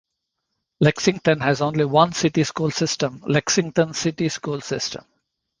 Lexington has one city school system, Lexington City School System.